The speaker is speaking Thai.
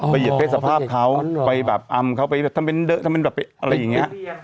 ไปเหยียดเพศสภาพเขาไปแบบอำเขาไปถ้าเป็นเดอะถ้าเป็นแบบอะไรอย่างเงี้ย